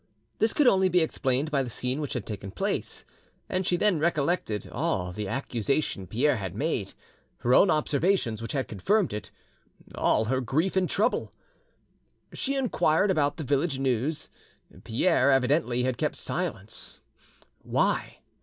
This could only be explained by the scene which had taken place, and she then recollected all the accusation Pierre had made, her own observations which had confirmed it, all her grief and trouble. She inquired about the village news. Pierre, evidently, had kept silence why?